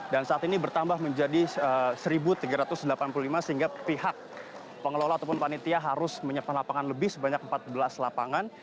dan saat ini bertambah menjadi satu tiga ratus delapan puluh lima sehingga pihak pengelola ataupun panitia harus menyimpan lapangan lebih sebanyak empat belas lapangan